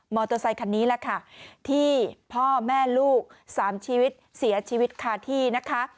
อเตอร์ไซคันนี้แหละค่ะที่พ่อแม่ลูกสามชีวิตเสียชีวิตคาที่นะคะ